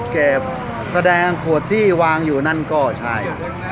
แสดงขวดที่วางอยู่นั่นก็ใช่